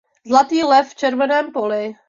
Zlatý lev v červeném poli.